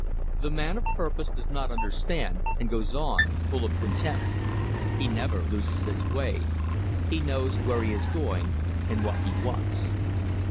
The man of purpose does not understand, and goes on, full of contempt. He never loses his way. He knows where he is going and what he wants.